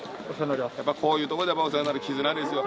やっぱこういうとこでお世話になる絆ですよ。